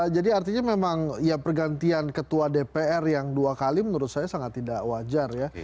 artinya memang ya pergantian ketua dpr yang dua kali menurut saya sangat tidak wajar ya